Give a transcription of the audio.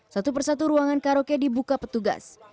satu persatu ruangan karaoke dibuka petugas